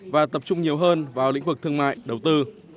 và tập trung nhiều hơn vào lĩnh vực thương mại đầu tư